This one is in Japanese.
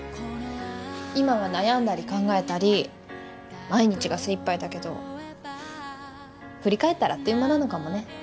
今は悩んだり考えたり毎日が精いっぱいだけど振り返ったらあっという間なのかもね。